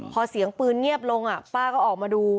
พอเสียงปืนเงียบลงป้าก็ออกมาดู